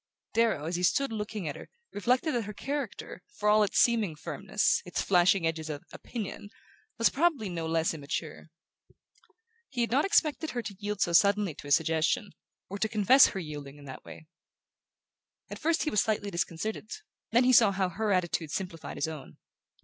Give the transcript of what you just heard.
Darrow, as he stood looking at her, reflected that her character, for all its seeming firmness, its flashing edges of "opinion", was probably no less immature. He had not expected her to yield so suddenly to his suggestion, or to confess her yielding in that way. At first he was slightly disconcerted; then he saw how her attitude simplified his own.